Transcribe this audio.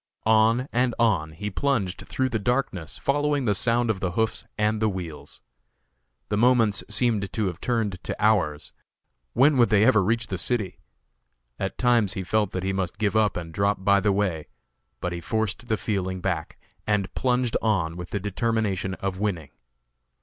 On and on he plunged through the darkness, following the sound of the hoofs and the wheels. The moments seemed to have turned to hours; when would they ever reach the city? At times he felt that he must give up and drop by the way; but he forced the feeling back, and plunged on with the determination of winning.